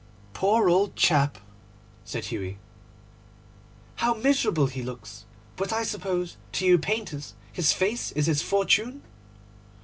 'Poor old chap!' said Hughie, 'how miserable he looks! But I suppose, to you painters, his face is his fortune?